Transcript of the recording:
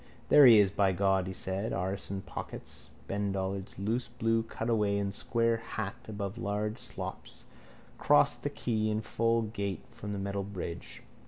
—There he is, by God, he said, arse and pockets. Ben Dollard's loose blue cutaway and square hat above large slops crossed the quay in full gait from the metal bridge.